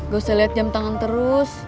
gak usah lihat jam tangan terus